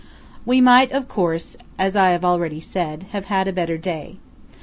We might, of course, as I have already said, have had a better day.